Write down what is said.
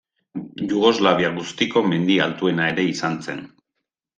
Jugoslavia guztiko mendi altuena ere izan zen.